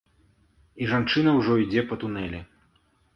І жанчына ўжо ідзе па тунэлі.